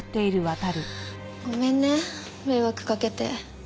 ごめんね迷惑かけて。